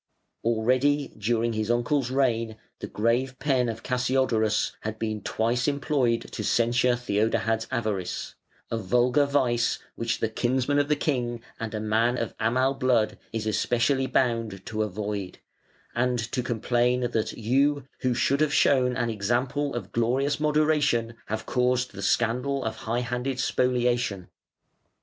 Already during his uncle's reign the grave pen of Cassiodorus had been twice employed to censure Theodahad's avarice, "a vulgar vice, which the kinsman of the king and a man of Amal blood is especially bound to avoid", and to complain that "you, who should have shown an example of glorious moderation, have caused the scandal of high handed spoliation".